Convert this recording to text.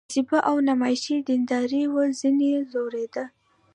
کاذبه او نمایشي دینداري وه ځنې ځورېده.